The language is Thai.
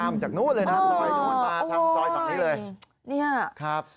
ข้ามจากนู้นเลยนะจนมาทางซอยฝั่งนี้เลย